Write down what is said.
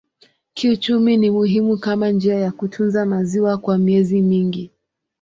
Kiuchumi ni muhimu kama njia ya kutunza maziwa kwa miezi mingi.